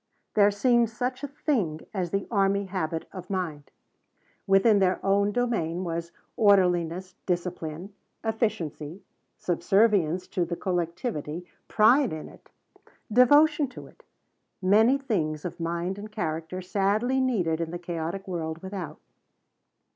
There seemed such a thing as the army habit of mind. Within their own domain was orderliness, discipline, efficiency, subservience to the collectivity, pride in it, devotion to it many things of mind and character sadly needed in the chaotic world without.